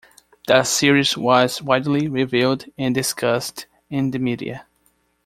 The series was widely reviewed and discussed in the media.